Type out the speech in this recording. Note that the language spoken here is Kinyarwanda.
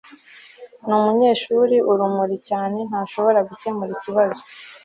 numunyeshuri urumuri cyane ntashobora gukemura ikibazo